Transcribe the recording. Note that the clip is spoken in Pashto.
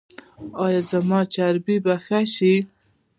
ایا زما چربي به ښه شي؟